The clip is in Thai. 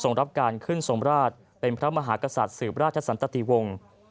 ส่งรับการขึ้นสมราชฯเป็นพระมหากษัตริย์สื่อประราชสัตติวงศ์